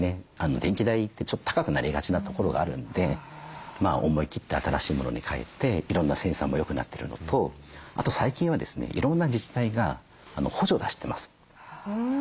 電気代ってちょっと高くなりがちなところがあるんで思いきって新しい物に替えていろんなセンサーもよくなってるのとあと最近はですねいろんな自治体が補助を出してます。